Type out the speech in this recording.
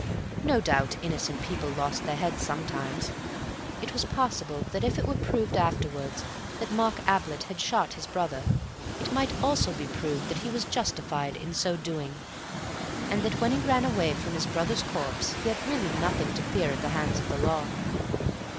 No doubt innocent people lost their heads sometimes. It was possible that if it were proved afterwards that Mark Ablett had shot his brother, it might also be proved that he was justified in so doing, and that when he ran away from his brother's corpse he had really nothing to fear at the hands of the Law.